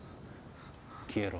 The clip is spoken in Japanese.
消えろ。